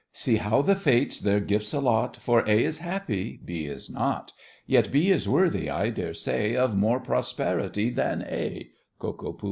See how the Fates their gifts allot, For A is happy—B is not. Yet B is worthy, I dare say, Of more prosperity than A! KO., POOH.